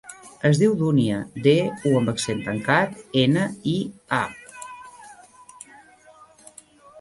Es diu Dúnia: de, u amb accent tancat, ena, i, a.